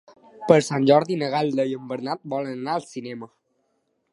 Per Sant Jordi na Gal·la i en Bernat volen anar al cinema.